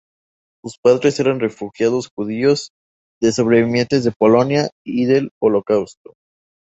Sus padres eran refugiados judíos de sobrevivientes de Polonia y del Holocausto.